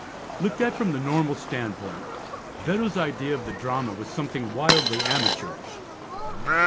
Looked at from the normal standpoint, Beddoes' idea of the drama was something wildly amateurish.